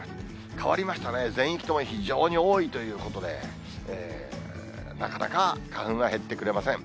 変わりましたね、全域とも非常に多いということで、なかなか花粉は減ってくれません。